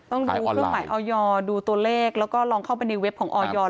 ต้องดูเครื่องหมายออยดูตัวเลขแล้วก็ลองเข้าไปในเว็บของออย